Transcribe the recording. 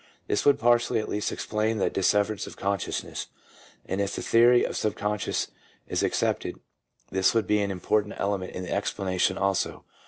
1 This would partially at least explain the dis severance of consciousness, and if the theory of the subconscious is accepted, this would be an important element in its explanation also.